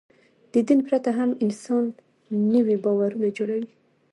د دین پرته هم انسان نوي باورونه جوړوي.